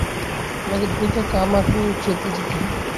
তোমাকে দ্রুত কাকামুচোতে যেতে হবে।